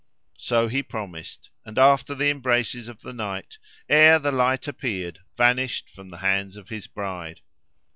So he promised; and after the embraces of the night, ere the light appeared, vanished from the hands of his bride.